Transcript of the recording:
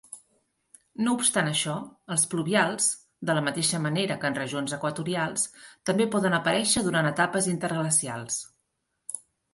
No obstant això, els pluvials, de la mateixa manera que en regions equatorials, també poden aparèixer durant etapes interglacials.